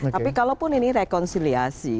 tapi kalaupun ini rekonsiliasi